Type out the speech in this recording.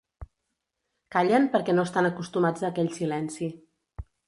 Callen perquè no estan acostumats a aquell silenci.